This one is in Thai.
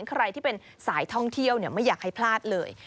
ใครที่เป็นสายท่องเที่ยวไม่อยากให้พลาดเลย